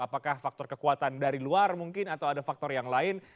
apakah faktor kekuatan dari luar mungkin atau ada faktor yang lain